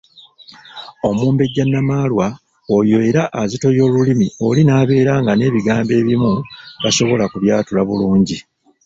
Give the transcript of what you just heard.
Omumbejja Nnamaalwa oyo era azitoya olulimi oli n’abeera nga n'ebigambo ebimu tasobola kubyatula bulungi.